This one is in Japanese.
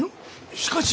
しかし！